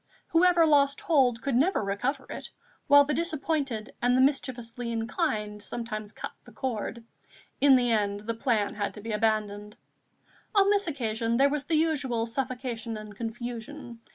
Whoever lost hold could never recover it, while the disappointed and the mischievously inclined sometimes cut the cord. In the end the plan had to be abandoned. On this occasion there was the usual suffocation and confusion.